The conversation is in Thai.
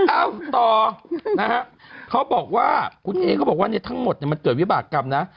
เอ้าต่อนะฮะเขาบอกว่าคุณเอเขาบอกว่าเนี่ยทั้งหมดมันเกิดวิบากรรมนะ